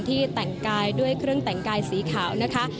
แต่งกายด้วยเครื่องแต่งกายสีขาวนะคะ